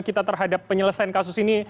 kita terhadap penyelesaian kasus ini